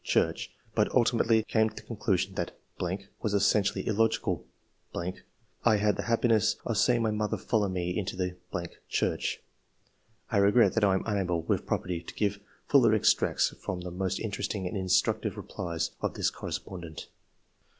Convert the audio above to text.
Church, but ultimately came to the conclusion that ... was essentially illogical. ... I had 134 ENGLISH MEN OF SCIENCE. [chap. the happiness of seeing my mother follow me into the ... Church." [I regret that I am unable, with propriety, to give fuller extracts from the most interesting and instructive replies of this correspondent.